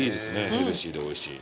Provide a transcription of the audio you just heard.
ヘルシーでおいしい。